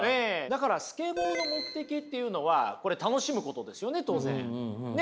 だからスケボーの目的っていうのはこれ楽しむことですよね当然。